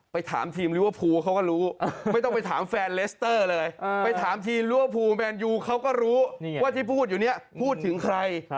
ถามทีมลิเวอร์พูลเขาก็รู้ไม่ต้องไปถามแฟนเลสเตอร์เลยไปถามทีมลิเวอร์พูลแมนยูเขาก็รู้ว่าที่พูดอยู่เนี่ยพูดถึงใคร